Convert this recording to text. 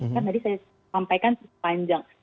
kan tadi saya sampaikan panjang